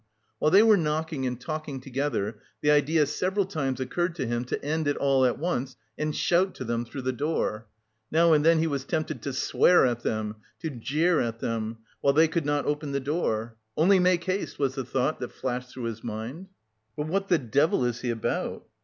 While they were knocking and talking together, the idea several times occurred to him to end it all at once and shout to them through the door. Now and then he was tempted to swear at them, to jeer at them, while they could not open the door! "Only make haste!" was the thought that flashed through his mind. "But what the devil is he about?..."